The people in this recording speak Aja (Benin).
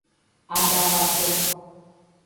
Adahwato.